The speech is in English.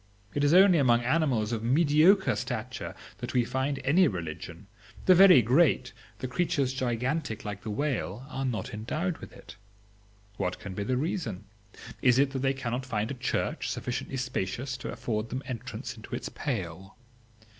It is only among animals of mediocre stature that we find any religion; the very great, the creatures gigantic like the whale are not endowed with it. What can be the reason? Is it that they cannot find a church sufficiently spacious to afford them entrance into its pale?